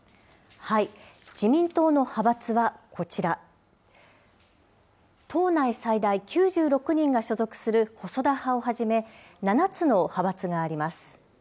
自民党の派閥はこちら、党内最大９６人が所属する細田派をはじめ、７つの派閥があります。